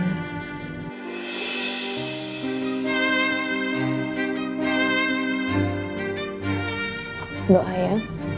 aku berdoa ya